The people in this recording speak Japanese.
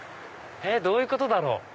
どういうことだろう？